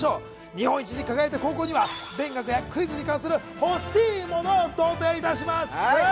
日本一に輝いた高校には勉学やクイズに関する欲しいものを贈呈します